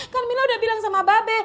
kan mila udah bilang sama babe